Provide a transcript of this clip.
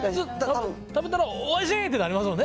食べたらおいしい！ってなりますもんね。